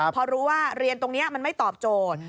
พอรู้ว่าเรียนตรงนี้มันไม่ตอบโจทย์